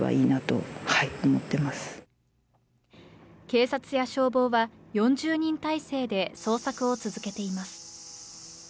警察や消防は４０人態勢で捜索を続けています。